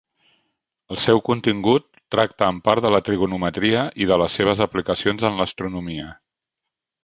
El seu contingut tracta en part de la trigonometria i de les seves aplicacions en l'astronomia.